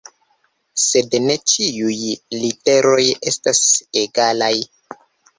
Sed ne ĉiuj literoj estas egalaj.